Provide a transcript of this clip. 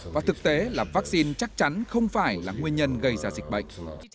và thực tế là vaccine chắc chắn không phải là nguyên nhân gây ra dịch bệnh